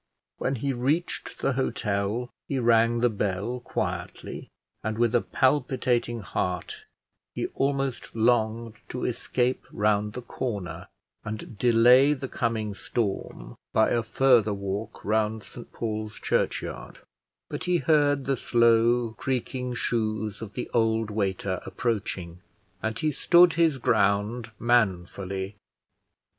When he reached the hotel he rang the bell quietly, and with a palpitating heart; he almost longed to escape round the corner, and delay the coming storm by a further walk round St Paul's Churchyard, but he heard the slow creaking shoes of the old waiter approaching, and he stood his ground manfully.